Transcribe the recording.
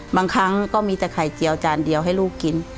บางครั้งก็มีแต่ไข่เจียวจานเดียวให้ลูกกิน